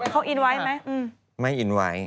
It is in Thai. เขาอินไว้มั้ย